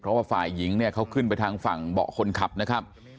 เพราะว่าฝ่ายหญิงเนี่ยเขาขึ้นไปทางฝั่งเบาะคนขับนะครับ